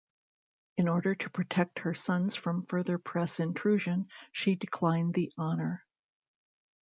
In order to protect her sons from further press intrusion she declined the honour.